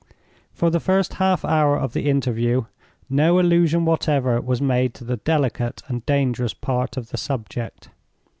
For the first half hour of the interview, no allusion whatever was made to the delicate and dangerous part of the subject.